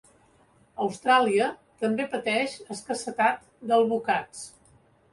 Austràlia també pateix escassetat d’alvocats.